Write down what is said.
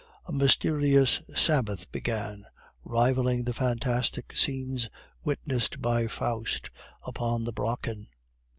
A mysterious Sabbath began, rivaling the fantastic scenes witnessed by Faust upon the Brocken.